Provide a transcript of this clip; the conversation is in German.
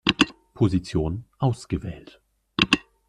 Position ausgewählt.